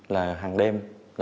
là hàng đêm